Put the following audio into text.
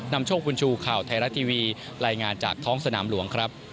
นำโชคบุญชูข่าวไทยรัฐทีวีรายงานจากท้องสนามหลวงครับ